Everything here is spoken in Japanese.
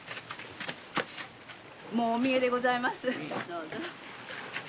もうお見えでございます。